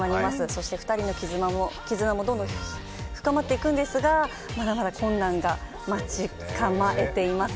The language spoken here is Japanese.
そして２人の絆もどんどん深まっていくんですがまだまだ困難が待ち構えています。